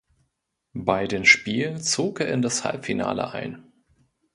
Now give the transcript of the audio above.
Bei den Spielen zog er in das Halbfinale ein.